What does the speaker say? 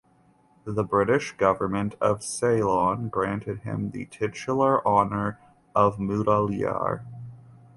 The British Government of Ceylon granted him the titular honor of Mudaliyar.